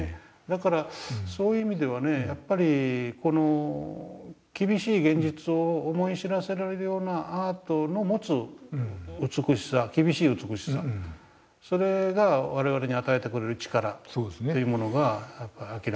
だからそういう意味ではねやっぱりこの厳しい現実を思い知らされるようなアートの持つ美しさ厳しい美しさそれが我々に与えてくれる力というものが明らかにあると。